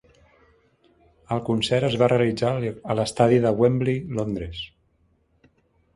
El concert es va realitzar a l'estadi de Wembley, Londres.